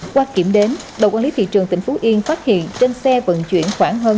qua kiểm đến đầu quản lý thị trường tỉnh phú yên phát hiện trên xe vận chuyển khoảng hơn